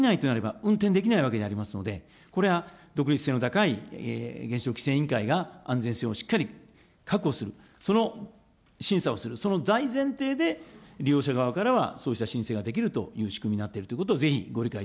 運転できないわけでありますので、これは、独立性の高い原子力規制委員会が、安全性をしっかり確保する、その審査をする、その大前提で、利用者側からは、そうした申請ができるという仕組みになっているということを、ぜひご理解い